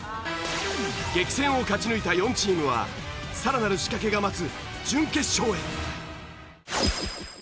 激戦を勝ち抜いた４チームはさらなる仕掛けが待つ準決勝へ。